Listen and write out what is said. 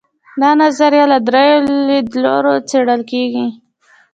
دا نظریه له درېیو لیدلورو څېړل کیږي.